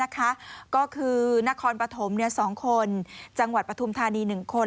ก็คือนครปฐม๒คนจังหวัดปฐุมธานี๑คน